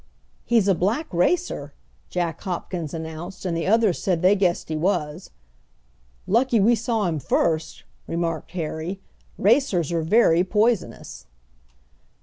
"He's a black racer!" Jack Hopkins announced, and the others said they guessed he was. "Lucky we saw him first!" remarked Harry, "Racers are very poisonous!"